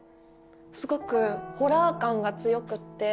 すごくホラー感が強くって。